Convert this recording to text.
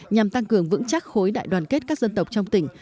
nhằm tăng cường vững chắc khối đại đoàn kết các dân tộc trong tỉnh